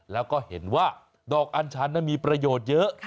แล้วก็เห็นว่าดอกอัญชันนั้นมีประโยชน์เยอะ